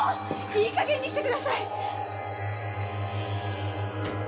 いいかげんにしてください！